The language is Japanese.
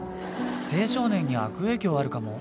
青少年に悪影響あるかも。